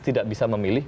tidak bisa memilih